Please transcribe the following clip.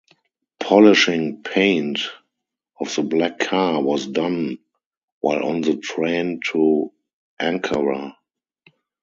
Polishing paint of the black car was done while on the train to Ankara.